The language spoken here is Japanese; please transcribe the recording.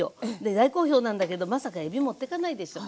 大好評なんだけどまさかえび持ってかないでしょ。